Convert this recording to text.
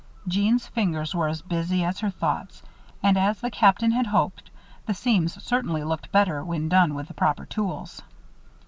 Jeanne's fingers were as busy as her thoughts; and, as the Captain had hoped, the seams certainly looked better when done with the proper tools.